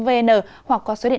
và hẹn gặp lại quý vị